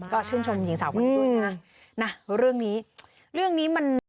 ก็ชื่นชมหญิงสาวคนนี้ด้วยนะเรื่องนี้เรื่องนี้มัน